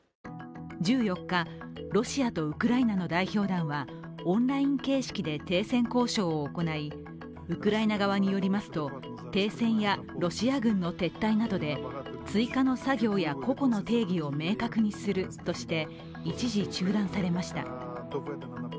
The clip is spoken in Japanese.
１４日ロシアとウクライナの代表団はオンライン形式で停戦交渉を行いウクライナ側によりますと、停戦やロシア軍の撤退などで追加の作業や個々の定義を明確にするとして、一時中断されました。